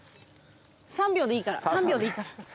３秒でいいから３秒でいいから。